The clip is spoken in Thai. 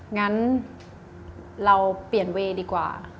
งั้นเราเปลี่ยนเวย์ดีกว่า